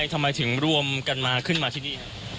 ทำไมถึงรวมกันมาขึ้นมาที่นี่